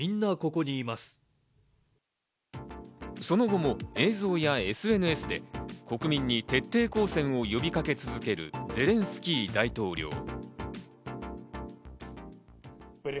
その後も映像やＳＮＳで国民に徹底抗戦を呼びかけ続けるゼレンスキー大統領。